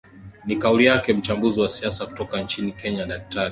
ni kauli yake mchambuzi wa siasa kutoka nchini kenya daktari